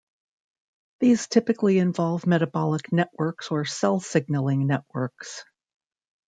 These typically involve metabolic networks or cell signaling networks.